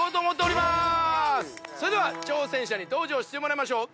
それでは挑戦者に登場してもらいましょう。